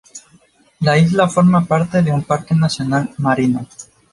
La isla forma parte de un Parque Nacional Marino.